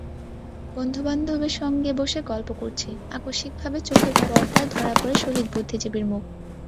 বন্ধু-বান্ধবের সঙ্গে বসে গল্প করছি—আকস্মিকভাবে চোখের পর্দায় ধরা পড়ে শহীদ বুদ্ধিজীবীর মুখ।